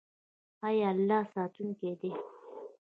آیا الله ساتونکی دی؟